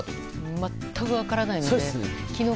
全く分からない。